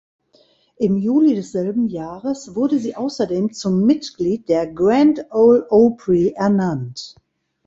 Im Juli desselben Jahres wurde sie außerdem zum Mitglied der Grand Ole Opry ernannt.